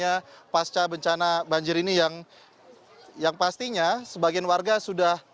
yang pastinya sebagian warga sudah berupaya menyelamatkan harta benda ini